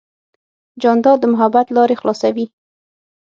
جانداد د محبت لارې خلاصوي.